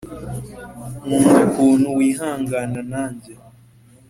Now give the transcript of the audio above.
nkunda ukuntu wihangana nanjye